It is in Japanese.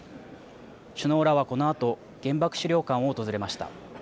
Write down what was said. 首脳らはこのあと原爆資料館を訪れました。